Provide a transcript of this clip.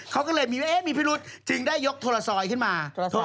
เขาก็เลยมีว่ามีพิรุษจึงได้ยกโทรซอยขึ้นมา